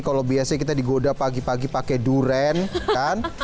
kalau biasanya kita digoda pagi pagi pakai durian kan